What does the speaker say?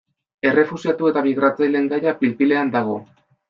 Errefuxiatu eta migratzaileen gaia pil-pilean dago.